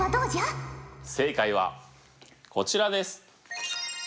正解はこちらです。